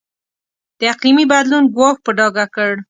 د اقلیمي بدلون ګواښ په ډاګه کړ.